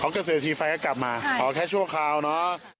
เกษตรทีไฟก็กลับมาอ๋อแค่ชั่วคราวเนอะ